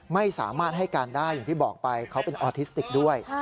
ไม่สามารถให้การได้อย่างที่บอกไปเขาเป็นออทิสติกด้วย